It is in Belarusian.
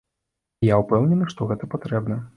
І я ўпэўнены, што гэта патрэбна.